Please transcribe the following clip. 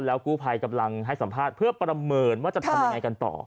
กู้ภัยกำลังให้สัมภาษณ์เพื่อประเมินว่าจะทำยังไงกันต่อ